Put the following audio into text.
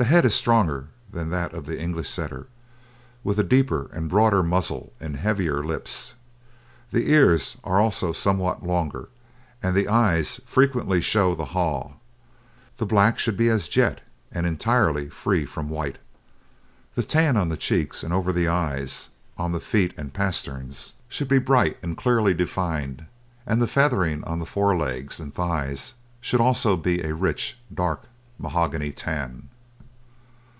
The head is stronger than that of the English Setter, with a deeper and broader muzzle and heavier lips. The ears are also somewhat longer, and the eyes frequently show the haw. The black should be as jet, and entirely free from white. The tan on the cheeks and over the eyes, on the feet and pasterns, should be bright and clearly defined, and the feathering on the fore legs and thighs should also be a rich, dark mahogany tan.